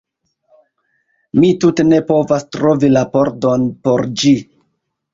Mi tute ne povas trovi la pordon por ĝi